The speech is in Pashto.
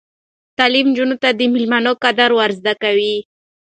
تعلیم نجونو ته د میلمنو قدر ور زده کوي.